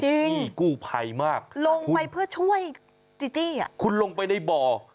พี่กู้ภัยมากลงไปเพื่อช่วยจีจี้อ่ะคุณลงไปในบ่อ